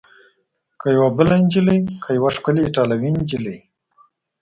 که یوه بله نجلۍ؟ که یوه ښکلې ایټالوۍ نجلۍ؟